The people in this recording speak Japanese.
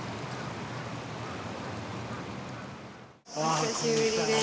お久しぶりです。